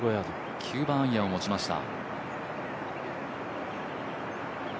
９番アイアンを持ちました。